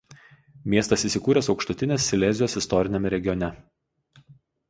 Miestas įsikūręs Aukštutinės Silezijos istoriniame regione.